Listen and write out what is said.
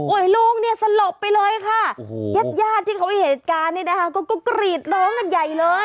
โอ้โหลุงสลบไปเลยค่ะญาติที่เขาไว้เหตุการณ์ก็กรีดล้มใหญ่เลย